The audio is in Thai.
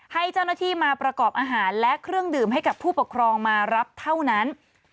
ให้เจ้าหน้าที่มาประกอบอาหารและเครื่องดื่มให้กับผู้ปกครองมารับเท่านั้น